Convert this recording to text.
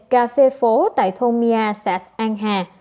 cà phê phố tại thôn mia sạch an hà